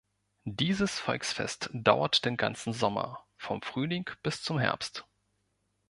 Dieses Volksfest dauert den ganzen Sommer, vom Frühling bis zum Herbst.